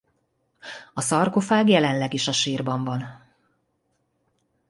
A szarkofág jelenleg is a sírban van.